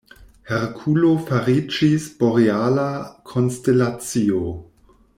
Herkulo fariĝis boreala konstelacio.